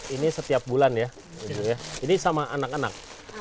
ini setiap bulan ya ini sama anak anak